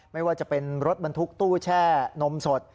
ไม่ว่าจะเป็นรถบรรทุกตู้แช่นมสด